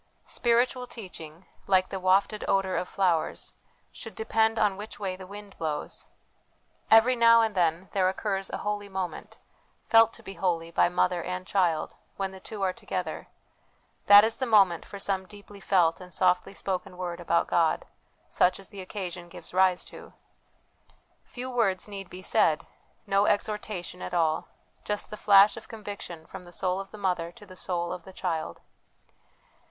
Spiritual teaching, like the wafted odour of flowers, should depend on which way the wind blows. Every now and then there occurs a holy moment, felt to be holy by mother and child, when the two are together that is the moment for some deeply felt and softly spoken word about God, such as the occasion gives rise to. Few words need be said, no exhortation at all ; just the flash of conviction from the soul of the mother to the soul of the child.